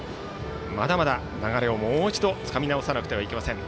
まだまだ流れをもう一度つかみ直さなくてはいけません。